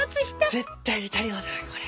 絶対に足りませんこれ。